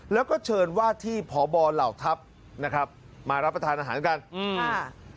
แล้วก็เชิญวาดที่พบเหล่าทัพนะครับมารับประทานอาหารกันอืมอ่า